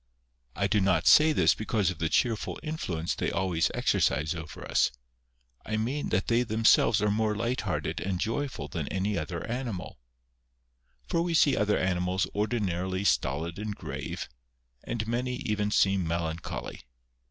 I do not say this because of the cheerful influ ence they always exercise over us ; I mean that they themselves are more light hearted and joyful than any other animal. For we see other animals ordinarily stolid and grave, and many even seem melancholy.